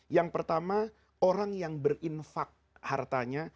yang pertama orang yang berinfak hartanya